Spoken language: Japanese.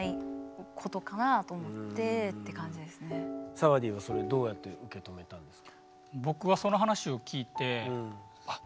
サワディーはそれどうやって受け止めたんですか？